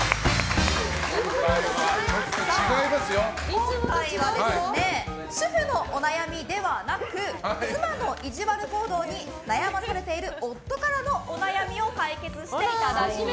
今回は主婦のお悩みではなく妻のイジワル行動に悩まされている夫からのお悩みをお悩みを解決していただきます。